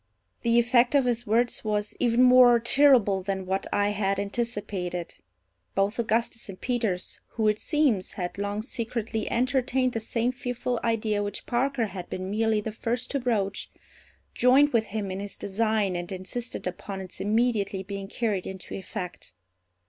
The effect of his words was even more terrible than what I had anticipated. Both Augustus and Peters, who, it seems, had long secretly entertained the same fearful idea which Parker had been merely the first to broach, joined with him in his design and insisted upon its immediately being carried into effect.